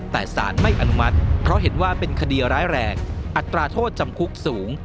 แต่สารไม่อนุมัติเพราะเห็นว่าเป็นคดีร้ายแรงอัตราโทษจำคุกสูง